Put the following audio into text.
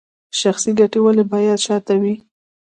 شخصي ګټې ولې باید شاته وي؟